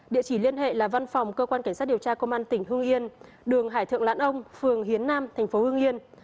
địa chỉ liên hệ là văn phòng cơ quan cảnh sát điều tra công an tỉnh hương yên đường hải thượng lãn ông phường hiến nam tp hương yên